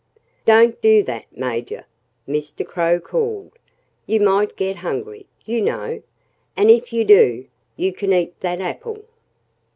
"Don't do that, Major!" Mr. Crow called. "You might get hungry, you know. And if you do, you can eat that apple."